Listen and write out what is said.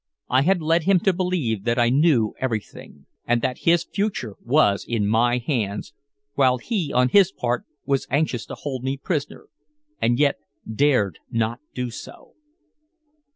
I had led him to believe that I knew everything, and that his future was in my hands, while he, on his part, was anxious to hold me prisoner, and yet dared not do so.